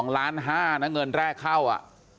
๒ล้าน๕นะเงินแรกเข้า